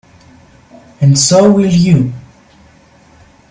And so will you.